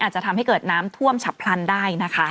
อาจจะทำให้เกิดน้ำท่วมฉับพลันได้นะคะ